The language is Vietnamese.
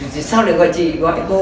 thì sao lại gọi chị gọi cô